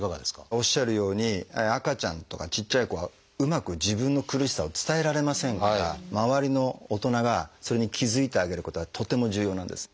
おっしゃるように赤ちゃんとかちっちゃい子はうまく自分の苦しさを伝えられませんから周りの大人がそれに気付いてあげることがとても重要なんです。